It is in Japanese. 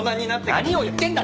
何を言ってんだ！